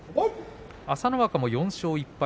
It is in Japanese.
朝乃若も４勝１敗。